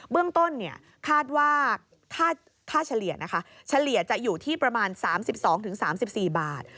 เบื้องต้นค้าเฉลี่ยจะอยู่ที่ประมาณ๓๒๓๔บาท